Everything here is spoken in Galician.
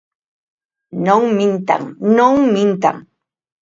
¡Non mintan, non mintan!